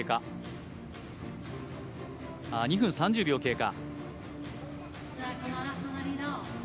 ２分３０秒経過。